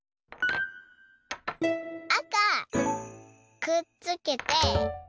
あかくっつけて。